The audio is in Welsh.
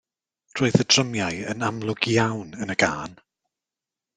Roedd y drymiau yn amlwg iawn yn y gân.